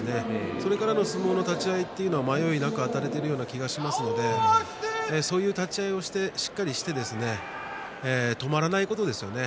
それからの相撲の立ち合いは迷いなくあたれているような気がしますのでそういう立ち合いをしっかりして止まらないことですよね。